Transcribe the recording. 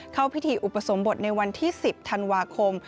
เข้าพิธีอุปสมบทในวันที่๑๐ธันวาคม